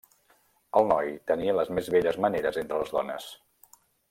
El noi tenia les més belles maneres entre les dones.